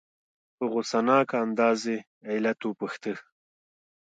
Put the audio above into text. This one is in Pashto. په غصناک انداز یې علت وپوښته.